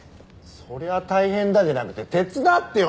「そりゃ大変だ」じゃなくて手伝ってよ